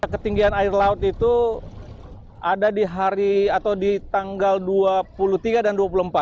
ketinggian air laut itu ada di tanggal dua puluh tiga dan dua puluh empat